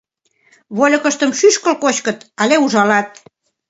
Вольыкыштым шӱшкыл кочкыт але ужалат!